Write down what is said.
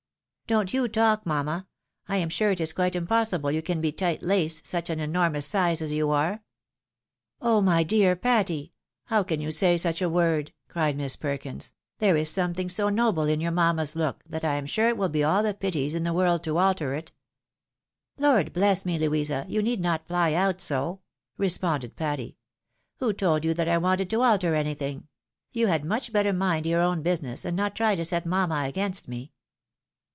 " Don't you talk, mamma ; I am sure it is quite impossible you can be tight laced, such an enormous size as you are." "Oh ! my dear Miss Patty ! how can you say such a word?" cried Miss Perkins ;" there is something so noble in your mamma's look, that I am sure it would be all the pities in the world to alter it." " Lord bless me, Louisa ! you need not fly out so," responded Patty; "who told you that I wanted to alter anything? You had much better mind your own busiuess, and not try to set mamma against me."